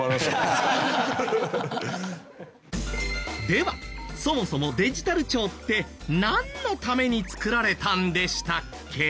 ではそもそもデジタル庁ってなんのために作られたんでしたっけ？